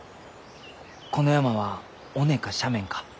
この山は尾根か斜面か。